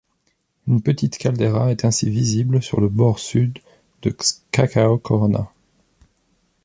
Une petite caldera est ainsi visible sur le bord sud de Xcacau Corona.